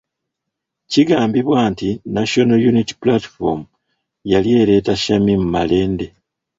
Kigambibwa nti National Unity Platform yali ereeta Shamim Malende .